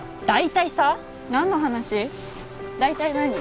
大体さ何の話？大体何？